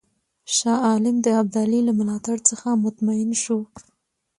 شاه عالم د ابدالي له ملاتړ څخه مطمئن شو.